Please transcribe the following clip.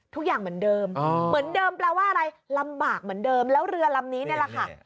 ทุกอย่างเหมือนเดิมเหมือนเดิมแปลว่าอะไรลำบากเหมือนเดิมแล้วเรือลำนี้นี่แหละค่ะ